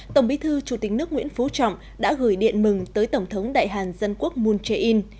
tổng bí thư chủ tịch nước nguyễn phú trọng đã gửi điện mừng tới tổng thống đại hàn dân quốc moon jae in